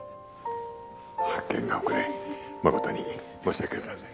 発見が遅れ誠に申し訳ございません